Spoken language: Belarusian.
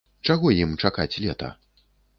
Чаго ім чакаць лета?